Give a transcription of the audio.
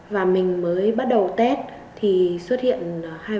và mình mới bắt đầu tết thì xuất hiện hai vạch covid